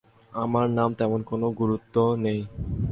আমার নামের তেমন কোনো গুরুত্ব নেই।